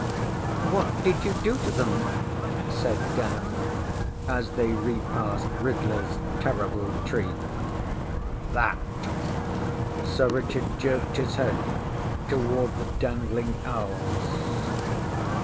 ŌĆśWhat did you do to them? ŌĆÖ said Dan, as they repassed RidleyŌĆÖs terrible tree. ŌĆśThat! ŌĆÖ Sir Richard jerked his head toward the dangling owls.